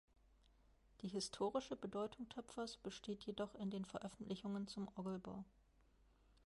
Die historische Bedeutung Töpfers besteht jedoch in den Veröffentlichungen zum Orgelbau.